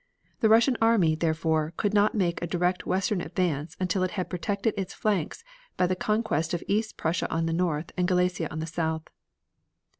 The Russian army, therefore, could not make a direct western advance until it had protected its flanks by the conquest of East Prussia on the north, and Galicia on the south.